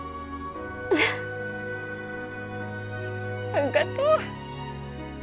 あっがとう。